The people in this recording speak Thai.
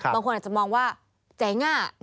บางคนอาจจะมองว่าเจ๋ง